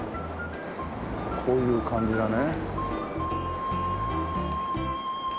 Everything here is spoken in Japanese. こういう感じでね。